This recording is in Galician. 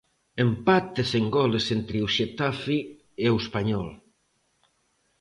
Empate sen goles entre o Xetafe e o Español.